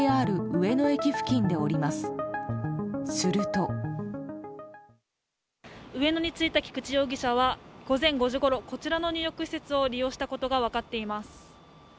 上野に着いた菊池容疑者は午前５時ごろこちらの入浴施設を利用したことが分かっています。